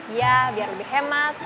iya biar lebih hemat